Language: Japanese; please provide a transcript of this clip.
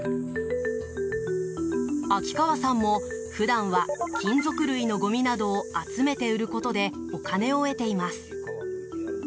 秋川さんも、普段は金属類のごみなどを集めて売ることでお金を得ています。